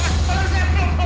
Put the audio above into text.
amun anjingmu mau mati